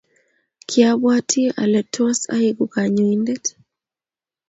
Kiabwati ale tos aeku konyoindet